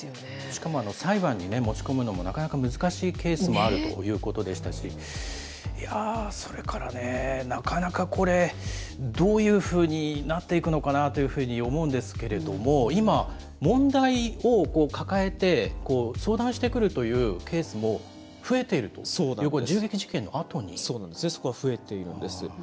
しかも裁判に持ち込むのもなかなか難しいケースもあるということでしたし、それからね、なかなかこれ、どういうふうになっていくのかなぁというふうに思うんですけれども、今、問題を抱えて相談してくるというケースも増えているということです、そうなんですね、増えているんです。